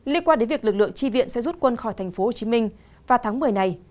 liên quan đến việc lực lượng tri viện sẽ rút quân khỏi tp hcm vào tháng một mươi này